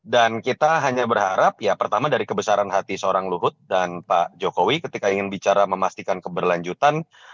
dan kita hanya berharap ya pertama dari kebesaran hati seorang luhut dan pak jokowi ketika ingin bicara memastikan keberlanjutan